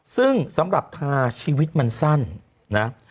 ซึ่งสำหรับทาชีวิตมันสั้นนะ